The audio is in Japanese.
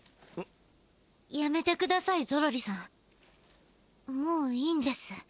やめてくださいゾロリさんもういいんです。